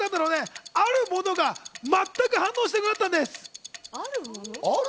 あるものが全く反応しなくなったんです。